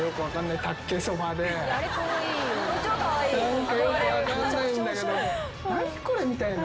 何かよく分かんないんだけど何これ？みたいな。